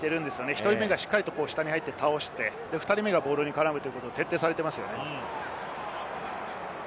一人目がしっかり下に入って、２人目がボールに絡むということが徹底されています。